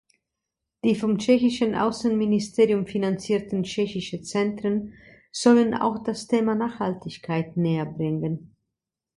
Die vom tschechischen Außenministerium finanzierten "Tschechische Zentren" sollen auch das Thema Nachhaltigkeit näher bringen.